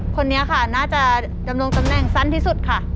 คนนี้ค่ะน่าจะดำรงตำแหน่งสั้นที่สุดค่ะ